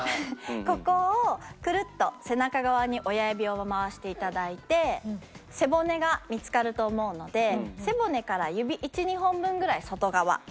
ここをクルッと背中側に親指を回して頂いて背骨が見つかると思うので背骨から指１２本分ぐらい外側